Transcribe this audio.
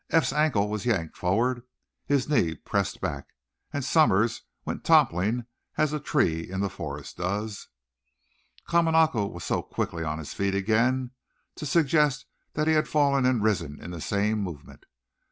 Eph's ankle was yanked forward, his knee pressed back, and Somers went toppling as a tree in the forest does. Kamanako was so quickly on his feet again to suggest that he had fallen and risen in the same movement.